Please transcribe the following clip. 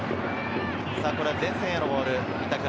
前線へのボール、板倉。